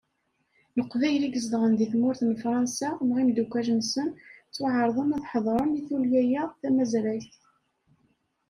Leqbayel i izedɣen di tmurt n Fransa, neɣ imeddukkal-nsen, ttwaɛerḍen ad ḥeḍren i tullya-a tamazrayt.